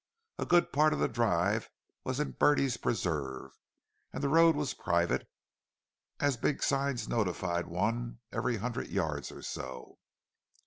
A good part of the drive was in Bertie's "preserve," and the road was private, as big signs notified one every hundred yards or so.